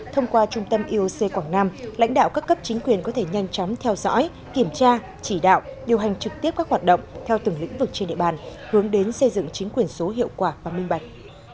thông qua trung tâm ioc quảng nam lãnh đạo các cấp chính quyền có thể nhanh chóng theo dõi kiểm tra chỉ đạo điều hành trực tiếp các hoạt động theo từng lĩnh vực trên địa bàn hướng đến xây dựng chính quyền số hiệu quả và minh bạch